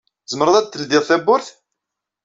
Tzemreḍ ad d-tledyeḍ tawwurt?